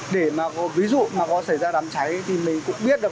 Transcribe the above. để mà có ví dụ mà có xảy ra đám cháy thì mình cũng biết được